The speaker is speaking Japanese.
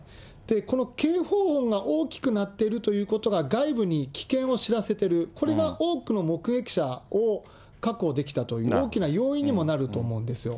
この警報音が大きく鳴っているということが外部に危険を知らせてる、これが多くの目撃者を確保できたという大きな要因にもなると思うんですよ。